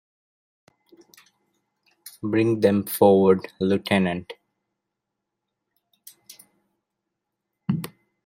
Bring them forward, lieutenant.